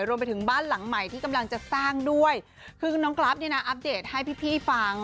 รวมไปถึงบ้านหลังใหม่ที่กำลังจะสร้างด้วยคือน้องกราฟเนี่ยนะอัปเดตให้พี่พี่ฟัง